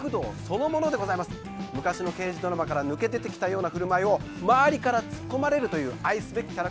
昔の刑事ドラマから抜け出てきたような振る舞いを周りからツッコまれるという。